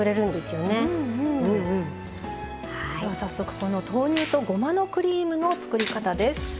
では早速この豆乳とごまのクリームの作り方です。